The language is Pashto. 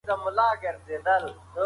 که سترګې وي نو لید نه ورکیږي.